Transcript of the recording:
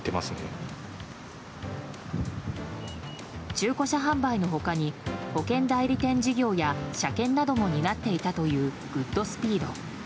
中古車販売の他に保険代理店事業や車検なども担っていたというグッドスピード。